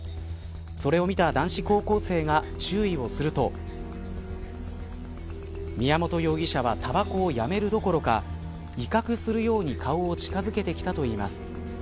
それを見た男子高校生が注意をすると宮本容疑者はたばこをやめるどころか威嚇するように顔を近づけてきたといいます。